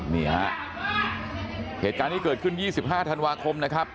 นี่ฮะเหตุการณ์ที่เกิดขึ้น๒๕ธันวาคมนะครับ